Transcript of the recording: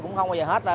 cũng không bao giờ hết